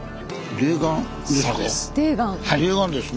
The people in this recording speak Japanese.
泥岩ですね。